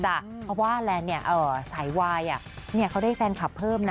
เพราะว่าแลนด์สายวายเขาได้แฟนคลับเพิ่มนะ